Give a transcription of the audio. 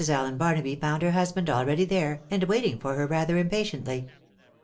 Allen Barnaby found lier husband already there, anil A\'aiting for her rather impatiently.